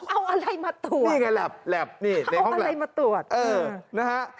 เอาอะไรมาตรวจเอาอะไรมาตรวจเออนะฮะ